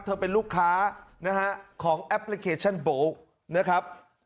เป็นลูกค้านะฮะของแอปพลิเคชันโบ๊คนะครับ